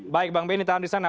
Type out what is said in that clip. baik bang benny tahan di sana